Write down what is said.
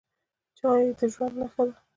چای د ژوندي زړه نښه ده